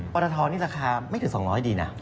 ปรทนี่ราคาไม่ถึง๒๐๐ดีนะ